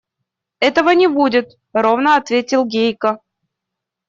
– Этого не будет, – ровно ответил Гейка.